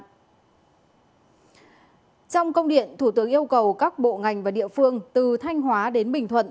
trong công điện thủ tướng yêu cầu các bộ ngành và địa phương từ thanh hóa đến bình thuận